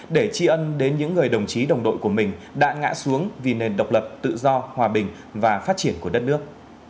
để tri ân đến những người đồng chí đồng đội của mình đã ngã xuống vì nền độc lập tự do hòa bình và phát triển của đất nước